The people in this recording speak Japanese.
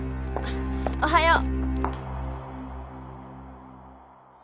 おはよう。